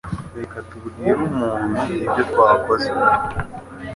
Reka tubwire umuntu ibyo twakoze